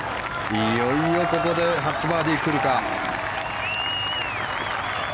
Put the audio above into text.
いよいよここで初バーディー来るか。